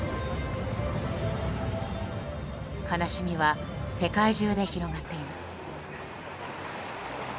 悲しみは世界中で広がっています。